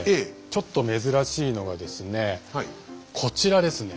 ちょっと珍しいのがですねこちらですね。